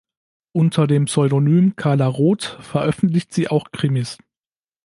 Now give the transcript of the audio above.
Unter dem Pseudonym Carla Rot veröffentlicht sie auch Krimis.